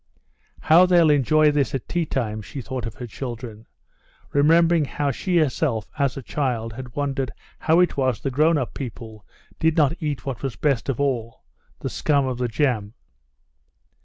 "How they'll enjoy this at tea time!" she thought of her children, remembering how she herself as a child had wondered how it was the grown up people did not eat what was best of all—the scum of the jam.